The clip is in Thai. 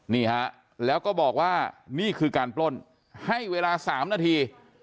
นี่ฮะแล้วก็บอกว่านี่คือการปล้นให้เวลา๓นาที